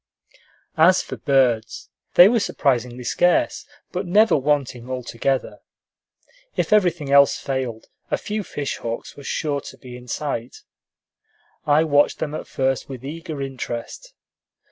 As for birds, they were surprisingly scarce, but never wanting altogether. If everything else failed, a few fish hawks were sure to be in sight. I watched them at first with eager interest.